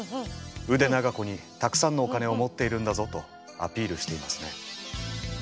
腕長子にたくさんのお金を持っているんだぞとアピールしていますね。